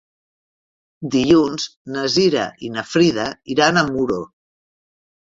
Dilluns na Cira i na Frida iran a Muro.